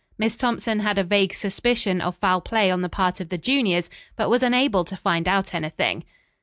Miss Thompson had a vague suspicion of foul play on the part of the juniors, but was unable to find out anything.